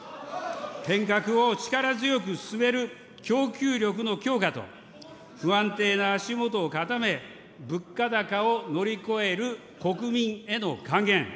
変革を力強く進める供給力の強化と、不安定な足下を固め、物価高を乗り越える国民への還元。